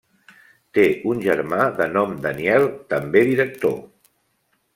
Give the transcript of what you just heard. Té un germà de nom Daniel, també director.